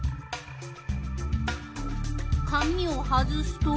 紙を外すと？